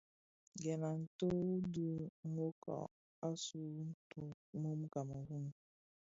Gèn a nto u dhid nwokag, asuu mun Kameroun.